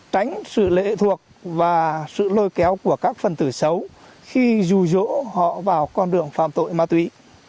tránh sự lệ thuộc và sự lôi kéo của các phần tử xấu khi rù rỗ họ vào con đường phạm tội ma túy